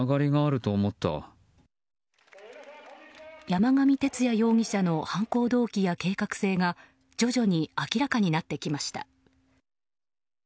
山上徹也容疑者の犯行動機や計画性が徐々に明らかになってきました。